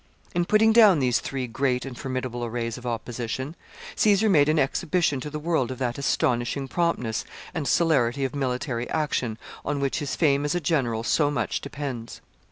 In putting down these three great and formidable arrays of opposition, Caesar made an exhibition to the world of that astonishing promptness and celerity of military action on which his fame as a general so much depends.